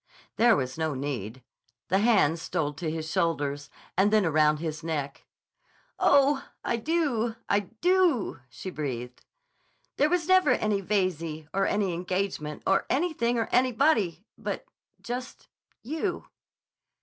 There was no need. The hands stole to his shoulders, and then around his neck. "Oh, I do! I do!" she breathed. "There never was any Veyze, or any engagement, or anything or anybody—but—just—you."